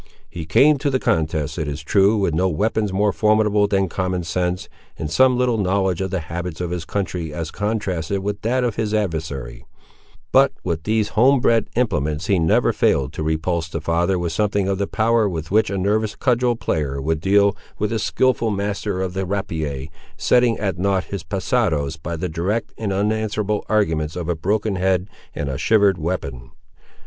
He came to the contest, it is true, with no weapons more formidable than common sense, and some little knowledge of the habits of his country as contrasted with that of his adversary; but with these homebred implements he never failed to repulse the father with something of the power with which a nervous cudgel player would deal with a skilful master of the rapier, setting at nought his passados by the direct and unanswerable arguments of a broken head and a shivered weapon.